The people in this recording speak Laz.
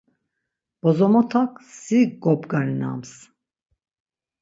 Bozomotak si gobgarinams.